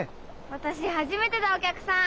私初めてだお客さん。